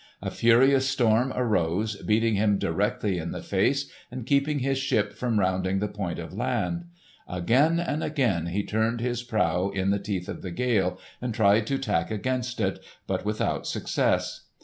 A furious storm arose beating him directly in the face and keeping his ship from rounding the point of land. Again and again he turned his prow in the teeth of the gale, and tried to tack against it, but without success.